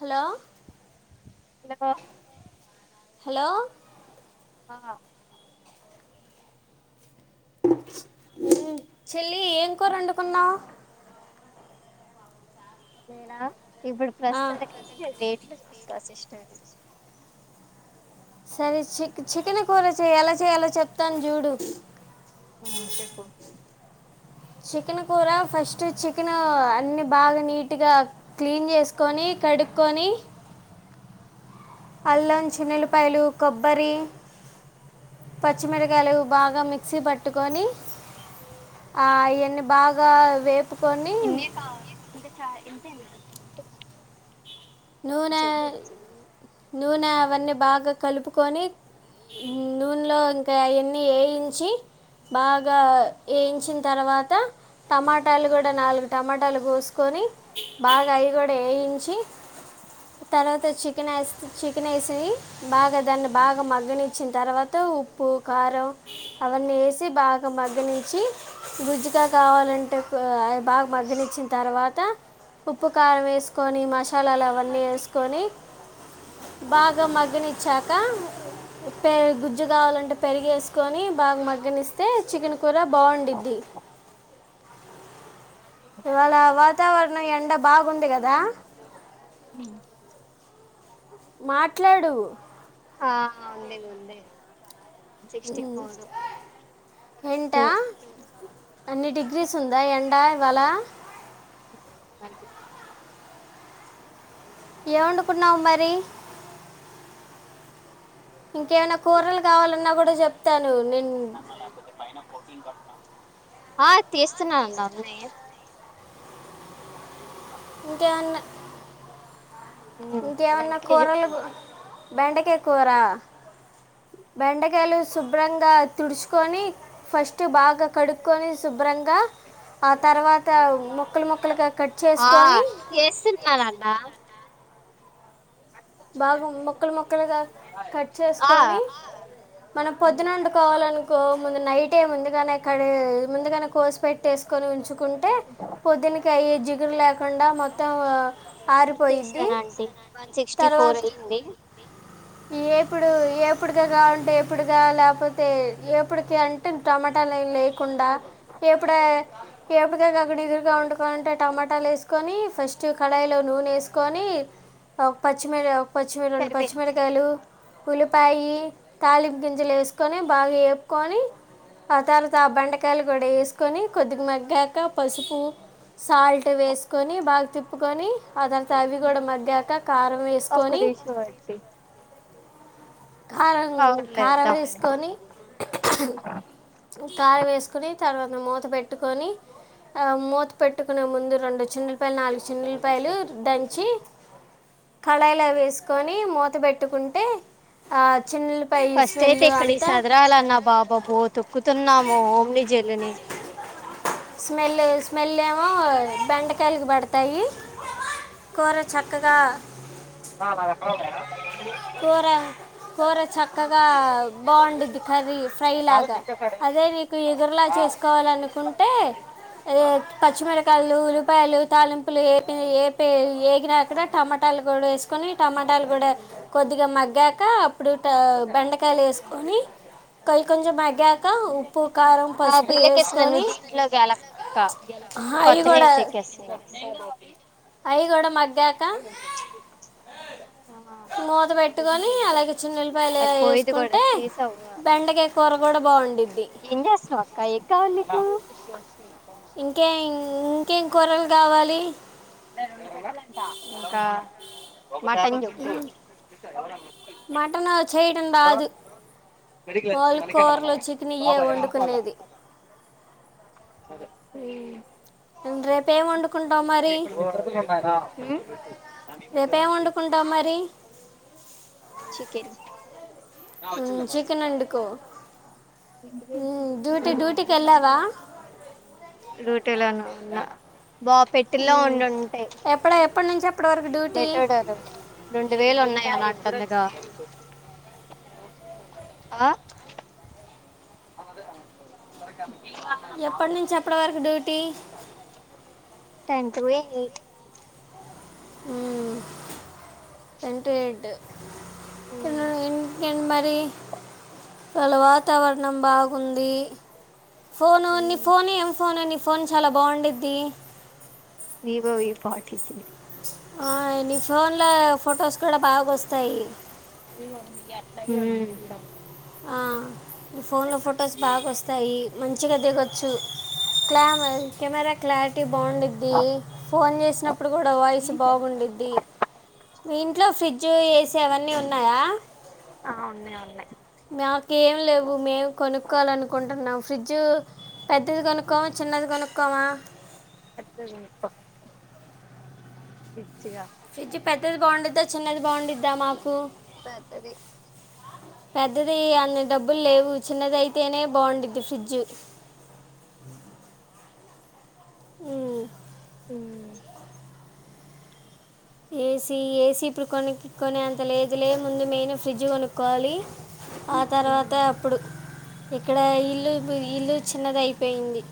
Hello పిల్లగా hello ఆ చెల్లి ఏం కూర వండుకున్నావు నే నా ఇప్పుడు ప్రస్తుతన రేట్లు ట్రాన్సిస్టర్ సరే చిక్ చికెన్ కూర చేయాలో చేయ ఎలా చెప్తాను చూడు ఉమ్ చెప్పు చికెన్ కూర ఫస్ట్ చికెన్ అన్ని బాగ నీట్గా క్లీన్ చేసుకొని కడుక్కొని అల్లం చిన్నుల్లిపాయలు కొబ్బరి పచ్చిమిరకాయలు బాగా మిక్సీ పట్టుకొని ఆ ఇవన్ని బాగా వే ఇన్న కా చ ఇంతేనా స నూనె యే నూనె అవన్నీ బాగ కలుపుకొని నూనెలో ఇంకా అవన్నీ వేయించి బాగా వేయించిన తర్వాత టమాటాలు కూడ నాలుగు టమాటాలు పోసుకొని బాగ అవి కూడ వేయించి తర్వాత చికెన్ వే చికెన్ వేసి బాగ దాన్ని బాగా మగ్గనిచ్చిన తర్వాత ఉప్పు కారం అవన్నీ వేసి బాగా మగ్గనిచ్చి గుజ్జుగా కావాలంటే బాగ మరగనిచ్చిన తర్వాత ఉప్పు కారం వేసుకొని మసాల నెయ్యి వన్ సిక్స్టీ వేసుకొని ఫోర్ బాగా మగ్ వచ్చాక గుజ్జు కావాలంటే పెరిగేసుకొని బాగ మగ్గని ఇస్తే చికెన్ కూర బాగుండిద్ది ఇవాళ వాతావరణం ఎండ బాగుంది కదా ఉ మాట్లాడు ఆ ఉంది ఉంది వన్ సిక్స్టీ ఫోర్ ఎంట అన్ని డిగ్రీస్ ఉందా ఎం డ ఇవాళ అ ఏమొండుకున్నావు మరి ఇంకేమైనా కూరలు కావాలన్నా కూడ్ చెప్తాను నేన్ అ లేకపోతే పైన పోటీన్ కొట్టం ఆ తీస్తున్నా అన్న అమ్మ్ ఇంకేమన్నా మ్మ్ ఇంకేమన్నా వెంటనే కూరలు చెప్పు బెండకయ్ కూరా బెండకాయలు శుభ్రంగా తుడుచుకొని ఫస్ట్ బాగా కడుక్కొని శుభ్రంగా ఆ తర్వాత ముక్కలు ముక్కలుగా కట్ ఆ చేసుకొని తీస్తున్నానన్న బాగా మొక్కలు మొక్కలుగా కట్ ఆ చేసుకొని మనం పొద్దున వండుకోవాలనుకో ముందు నైటే ముందుగానేకడ్ ముందుగానే కోస్ పెట్టేసుకొని ఉంచు ంటే పొద్దునకయ్యే నిదుర్ లేక్ కాకుండా మొత్తం ఆరిపోయిద్ది ఇచ్చేసాను ఆంటీ వన్ సిక్స్టీ ఫోర్ తర్వాత అయ్యింది ఎపుడు ఏప్ ఎప్పుడుగా ఉంటే ఎప్పుడుగా లేకపోతే ఏప్ ఇప్పుడీకి అంటే టమాటాలు ఎం లేకుండా ఎప్పుడ ఎపుగా కాకుండా ఎదురుగా వండుకొవాలంటే టమాటాలు వేసుకొని ఫస్ట్ కడాయిలో నూనె ఏసుకొని ప పచ్చిమిర పచ్చిమీ రెండు సరిపోయింది పచ్చిమిరకాయలు ఉల్లిపాయి తాలిపు గింజలు వేసుకొని బాగా వేపుకొని ఆ తర్వాత ఆ బెండకాయలు కూడా వేసుకొని కొద్దిగా మగ్గాక పసుపు సాల్ట్ వేసుకొని బాగా తిప్ ప్పుకొనీ అదంత అవి కూడా మగ్గాక కారం ఒక్క వేసుకొని దిషు వట్టి కారం కారం అవుట్లేద్దామని వేసుకొని కారం వేసుకొని తర్వాత మూత పెట్టుకొని ఆ మూత పెట్టుకునే ముందు రెండు చిన్న పె నాలుగు చిన్న ఉల్లిపాయలు దంచి కడాయిలో వేసుకొని మూత బెట్టుకుంటే ఫస్ట్ అయితే ఇక్కడికి సదరాలన్నా బాబాబో తొక్కుతున్నాము ఓమిని జల్లుని స్మెల్ స్మెల్ ఏమో బెండు తేలికబడతాయి కూర చక్కగా [unintelligible] కూర కూర చక్కగా బావుండుద్ది కర్రీ ఫ్రై లాగా అదే నీకు ఇగురులా చేసుకోవాలనుకుంటే అదే పచ్చిమిరకాయలు ఉల్లిపాయలు తాలింపులే టూ ఏ పే ఏగినాకడా టమా పల్లీ కూడా వేస్క్ కొని టమాటాలు కూడా కొద్దిగా మగ్గాక అప్ ప్పుడు ట బెండకాయలు వేసుకొని, కొయి కొంచెం మగ్గాక ఉప్పు, కారం, ఆ పసుపు బిల్లకేసిన వేసుకొని, నువ్వు దీంట్లో గెలక్క ప్చ్ అహ అయి కొత్త కూడా నేమ్స్ ఎక్కేస్తున్నవ్ అయి కూడా మగ్ ప్చ్ ఆ మూత ఓపెన్ పెట్టుకొని చేయొద్ద, అలాగే చిన్న ఉల్లిపాయలు అది పోయేద్ది కూడా వేసుకుంటే తీసావుగ, బెండకాయ కూర కూడా బాగుండిద్ది ఏం చేస్తున్నావు అక్క ఏం కావాలి, నీకు హ్మ్ ఇంకే ఇంకేం కూరలు కావాలి ఇ ఇంకా మటన్ చెప్పు ఉమ్, చేయటం రాదు వాళ్లు కూరలు చికెన్ ఇయ్యే వండుకునేది. హ్మ్ ఇంగ్ రేపేం వండుకుంటాం మరి రేపేం వండుకుంటాం మరి చికెన్ ఆ ఉమ్, వచ్చిందమ్మా చికెన్ వండుకో ఉమ్, డ్యూటీ డ్యూటీకి వెళ్ళావా డ్యూటీలోన అన్న బా పెట్టిల్లో ఉమ్, ఉండింటాయి ఎప్పుడ ఎప్పటి నుంచి ఎప్పటి వరకు డ్యూటీ మెట్టెడరు రెండు వేలు ఉన్నాయి ఏమన్నా అంటందిగా ఆ అవు అదే సరే కానీ ఎప్పటి నుంచి ఎప్పటి వరకు డు టంటూ ఏ ఏ ఉ ఎంటు ఏడ్ అలా ఏం ఏం మరి వాళ్ళ వాతావరణం బాగుంది ఫోనున్ని ఫోన్ ఏం ఫోనండి ఫోన్ చాలా బాగుండుద్ది వివోవి పాటి ఆ నీ ఫోన్ లో ఫొటోస్ కూడా బాగోస్తాయి ఉ ఆ నీ ఫోన్లో ఫొటోస్ బాగా వస్తాయి మంచిగా దిగొచ్చు క్లా కెమెరా క్లారిటీ బాగుండుద్ది ఫోన్ చేసినప్పుడు కూడా వాయిస్ బాగుండుద్ది మీ ఇంట్లో ఫ్రిడ్జ్, ఏసీ అవన్నీ ఉన్నాయా ఆ ఉన్నాయి ఉన్నాయి మాకేం లేవు మేము కొనుక్కోవాల అనుకుంటున్నాము ఫ్రిడ్జ్ పెద్దది కొనుక్కోవా చిన్నది కొనుక్కోవా పెద్దది కొనుక్కో చిగా ఫ్రిడ్జ్ చిన్నది బాగుండుద్దా పెద్దది బాగుండుద్దా మాకు పెద్దది పెద్దది అన్ని డబ్బులు లేవు చిన్నది అయితేనే బాగుండుద్ది ఫ్రిడ్జ్ ఉ ఉ ఏసీ ఏసీ ఇప్పుడు కొనుక్కునే అంత లేదు లే ముందు మెయిన్ ఫ్రిడ్జ్ కొనుక్కోవాలి ఆ తర్వాత అప్పుడు ఇక్కడ ఇల్లు ఇల్లు చిన్నదయిపోయింది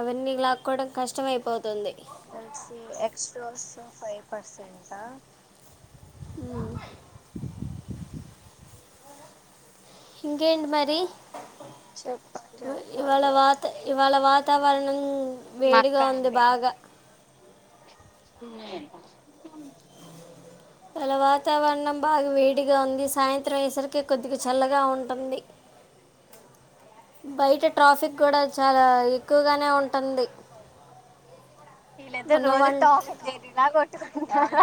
అవన్నీ లాక్కోవడం కష్టం అయిపోతుంది ఎసి ఎక్సట్రా వస్తుంది ఫైవ్ పర్సెంట ఉ ఇంకేంటి మరి చెప్పాలి ఇవాళ చెప్పాలి వాత ఇవాళ వాతావరణం మా అక్క వేడిగా ఉంది అండి బాగా ఉ ఇలా వాతావరణం బాగా వేడిగా ఉంది సాయంత్రం వయేసరికి కొద్దిగా చల్లగా ఉంటుంది బయట ట్రాఫిక్ కూడా చాలా ఎక్కువగానే ఉంటుంది వీళ్ళిద్దరు మొన్న రోజు వన్ టామ అండ్ జెర్రీలా కొట్టుకుంటారు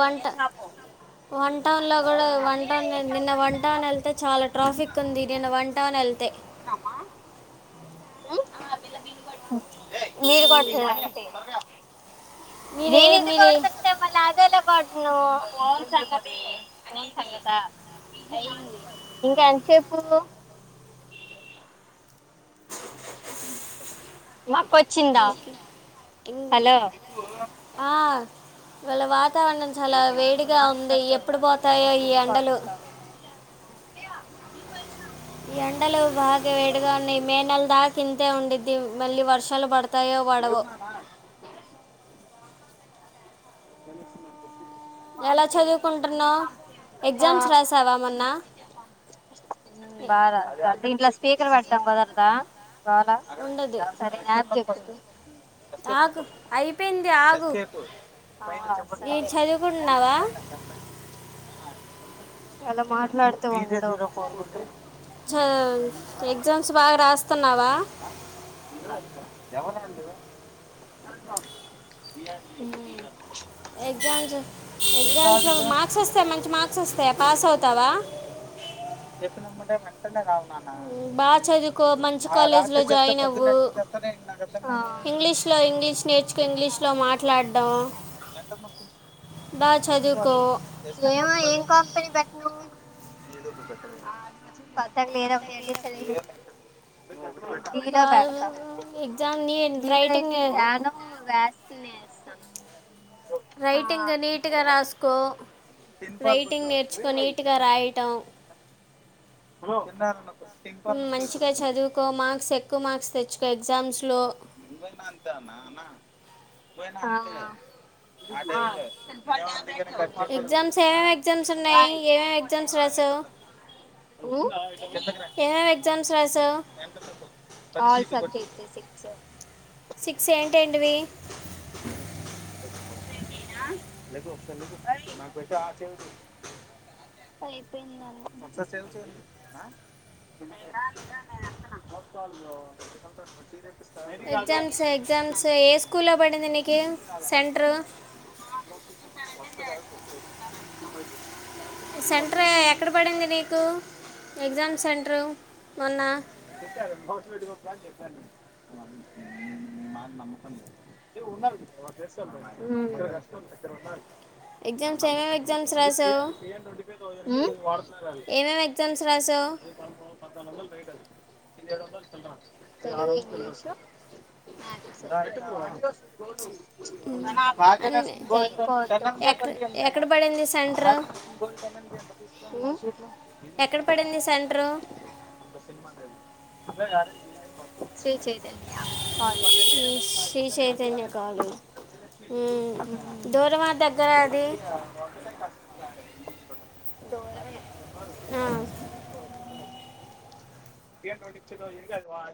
వన్ వన్ టౌన్ లో కూడా వన్ టౌన్ నిన్న వన్ టౌన్ వెళ్తే చాలా ట్రాఫిక్ ఉంది. నిన్న వన్ టౌన్ వెళ్తే ఆ పిల్ల బిల్లు కాట్ మీరు ఉమ్. కోటండి. మీరే నేను ఇది మీరే కోడుతుంటే మళ్ళ అదేలా కో ఇంకా ఎంతసేపు. మా కొ ఆ ఇవాళ వా వాతావరణం చాలా వేడిగా ఉంది మాట్లాడుతుండు ఎప్పుడు అలాగే పోతాయో నేను ఈ బిల్ ఎండలు. కొడతాను ఎండలు బాగా వేడిగా ఉన్నాయి. మే నెల దాకింతే ఉండిది మళ్ళీ వర్షాలు పడతాయో పడవో వాన వస్తుందా చెప్పు. ఎలా చదువుకుంటున్నావు ఎగ్జామ్స్ రాసావా మొన్న ఏ- బా లా దీంట్ల స్పీకర్. కుదరదా కావాలా ఉండదు సరే అప్ చెప్పు. ఎస్కేప్ ఆగు నొక్కమ్మ అయిపోయింది ఆగు అవునా ఈ సరే చదువుకుంటున్నావా అలా మాట్లాడుతే ఉండటం రా ఫోన్. చ ఎగ్జామ్స్ బాగా రాస్త ఆ ఇవ్వాలి కాదా. ఎవలాలు ఎగ్జామ్స్ ఎగ్జామ్స్ లో నీకు మార్క్స్ వస్తాయి మంచి మార్క్స్ వస్తాయా పాస్ అవుతావా. చెపినమ్మంటే వెంటనే కావు. ఉమ్, బాగా చదువుకో మంచి రాత్రీ కాలేజ్లో చెప్ జాయిన్ పొద్దున్నే అవ్వు ఇచ్చేస్తారా నాకు అర్థం ఇంగ్లీష్లో ఇంగ్లీష్ నేర్చుకో ఇంగ్లీష్లో మాట్లాడడం బాగా కాదు. చదువుకో ఏదో ఒక పె పథకు క లేదా అప్పుడ అంట సర దీలో బాగా పెడతాం ఎగ్జామ్ నీ దిలో రైటింగ్ ఏంటి ధ్యానం వేస్తినే. రైటింగ్ నీట్గా రాసుకో టిన్ ఫాల్ కొట్టు రైటింగ్ నేర్చుకో నీట్గా కిందకి రా రాయటం కింద నొక్కు టిన్ ఫాల్ నొక్కు ఇప్పుడు మంచిగా చదువుకో మార్క్స్ ఎక్కువ మార్క్స్ తెచ్చుకో ఎగ్జామ్స్ లో నువ్వైనా అంతే అన్న అన్నా పో [unintelligible] ఎగ్జామ్స్ ఏమే ఎగ్జామ్స్ ఉన్నాయి ఏమేం ఎగ్జామ్స్ రాసావు ఎంటర్ ఏమేమి ఎగ్జామ్స్ రాసావు. స సి సెంట్ అండ్వీ ఒకసారికుట్టి సేవ అయియింద్రికల్చ చ ఎగ్జామ్స్ ఎగ్జామ్స్ ఏ స్కూల్లో పడింది నికి సెంట్రు సెంటర్ ఎక్కడ తెప్పిస్తా పడింది నీకు ఎగ్జామ్ సెంటరు మొన్న హు ఎగ్జామ్స్ ఏమేమి ఎగ్జామ్స్ రాసావు ఏమేమి ఎగ్జామ్స్ రాసావు హు తెలుగు ఇంగ్లీష్ అన్ని ఎక్కడ ఎక్కడ మ్యాత్స్ పడింది సెంటర్ [unintelligible] ఎక్కడ పడింది సెంటరు అంత సినిమా లేదు శ్రీ చైతన్య కాలేజ్ శ్రీ చైతన్య కాలేజ్ దూరమా దగ్గర అది హు దూరమే మర ఆ, [unintelligible]